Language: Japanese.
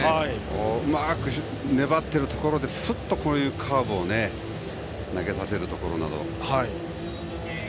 うまく粘っているところでふっと、カーブを投げさせるところなど。